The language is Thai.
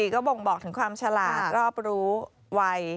ก็บ่งบอกถึงความฉลาดรอบรู้วัย